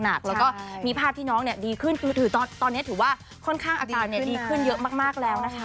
แล้วก็มีภาพที่น้องดีขึ้นคือตอนนี้ถือว่าค่อนข้างอาการดีขึ้นเยอะมากแล้วนะคะ